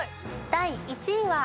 第１位は。